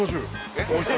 えっ？